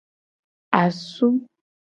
Asu.